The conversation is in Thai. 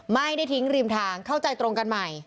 ไม่ได้ทิ้งริมทางเข้าใจตรงกันใหม่